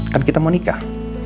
kan kita mau nikah